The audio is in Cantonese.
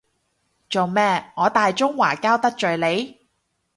做咩，我大中華膠得罪你？